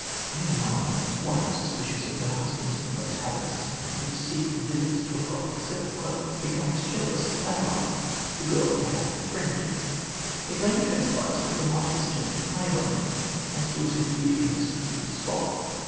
Meanwhile, La Motte's wife, suspicious of her husband's morose habits and his secret visits to a Gothic sepulchre, becomes jealous of Adeline, the girl they have befriended. It later transpires that La Motte has turned highwayman and stores his booty in this secluded spot.